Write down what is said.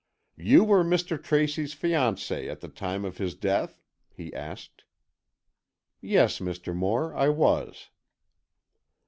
"You were Mr. Tracy's fiancée at the time of his death?" he asked. "Yes, Mr. Moore, I was."